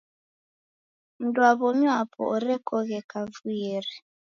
Mndu wa w'omi wapo orekoghe kavuieri.